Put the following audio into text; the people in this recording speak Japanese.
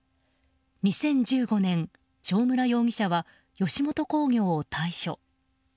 ２０１５年、正村容疑者は吉本興業を退所。